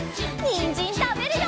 にんじんたべるよ！